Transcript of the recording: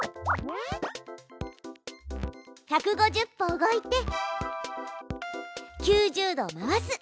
１５０歩動いて９０度回す。